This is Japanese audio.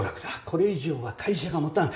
これ以上は会社が持たん。